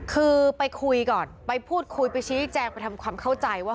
คือไปคุยก่อนไปพูดคุยไปชี้แจงไปทำความเข้าใจว่า